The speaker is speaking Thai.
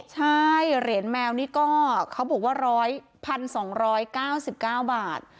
ใช่เหรียญแมวนี่ก็เขาบอกว่าร้อยพันสองร้อยเก้าสิบเก้าบาท